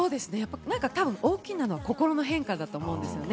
たぶん大きいのは心の変化だと思うんですよね。